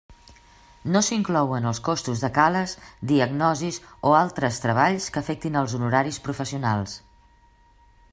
No s'inclouen els costos de cales, diagnosis o altres treballs que afectin els honoraris professionals.